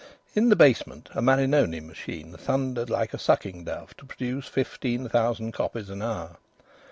In the basement a Marinoni machine thundered like a sucking dove to produce fifteen thousand copies an hour.